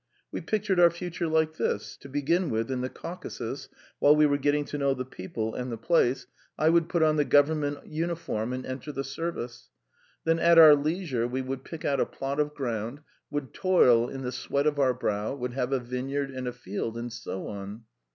We pictured our future like this: to begin with, in the Caucasus, while we were getting to know the people and the place, I would put on the Government uniform and enter the service; then at our leisure we would pick out a plot of ground, would toil in the sweat of our brow, would have a vineyard and a field, and so on.